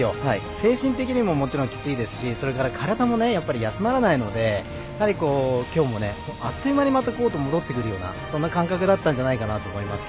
精神的にももちろんきついですしそれから体も休まらないので今日も、あっという間にコートに戻ってくるようなそんな感覚だったんじゃないかなと思います。